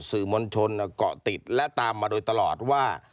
สื่อมวลชนเกาะติดและตามมาโดยตลอดว่า